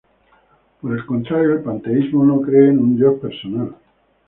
Por el contrario, el panteísmo no cree en un Dios personal.